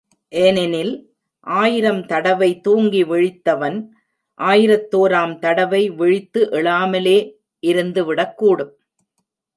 ஏனெனில், ஆயிரம் தடவை தூங்கி விழித்தவன், ஆயிரத்தோராம் தடவை விழித்து எழாமலே இருந்து விடக்கூடும்.